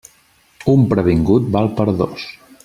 Un previngut val per dos.